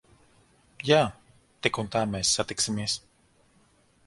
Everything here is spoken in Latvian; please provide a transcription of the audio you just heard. Jā. Tik un tā mēs satiksimies.